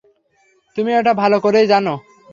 তুমি এটা ভালো করেই জানো।